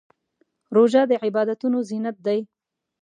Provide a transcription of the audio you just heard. روژه د عبادتونو زینت دی.